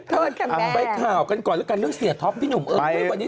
เอาไปข่าวกันก่อนแล้วกันเรื่องเสียท็อปพี่หนุ่มเอิ้ม